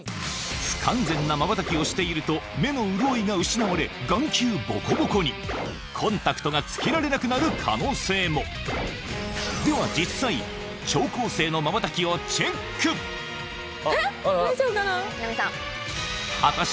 不完全なまばたきをしていると目の潤いが失われ眼球ボコボコにコンタクトがつけられなくなる可能性もでは実際えっ大丈夫かな⁉